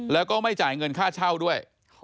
แล้วก็ไม่จ่ายเงินค่าเช่าด้วย